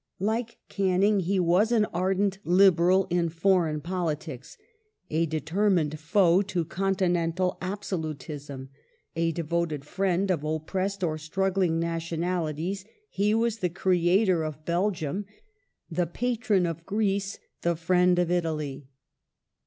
/ Like Canning he was an ardent Liberal in foreign politics ; a deter I mined foe to continental absolutism. A devoted friend of oppressed I or struggling nationalities, he was the creator of Belgium, the 7 1865] LORD PALMERSTON 335 patron of Greece, the friend of Italy.